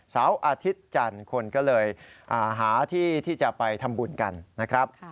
เสาร์อาทิตย์จันทร์คนก็เลยหาที่ที่จะไปทำบุญกันนะครับ